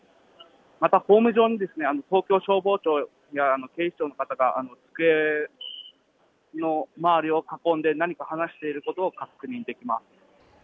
またホーム上に東京消防庁や警視庁の方が机の周りを囲んで何か話をしていることが確認できます。